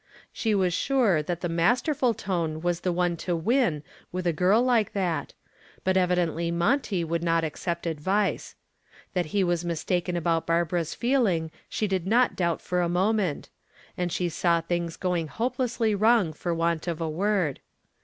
She was sure that the masterful tone was the one to win with a girl like that, but evidently Monty would not accept advice. That he was mistaken about Barbara's feeling she did not doubt for a moment, and she saw things going hopelessly wrong for want of a word.